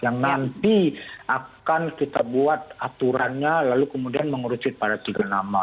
yang nanti akan kita buat aturannya lalu kemudian mengerucut pada tiga nama